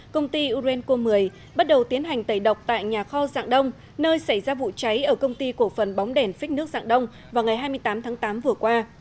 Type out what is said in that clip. công ty urenco một mươi bắt đầu tiến hành tẩy độc tại nhà kho giảng đông nơi xảy ra vụ cháy ở công ty cổ phần bóng đèn phích nước dạng đông vào ngày hai mươi tám tháng tám vừa qua